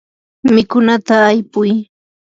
mikunata aypuy.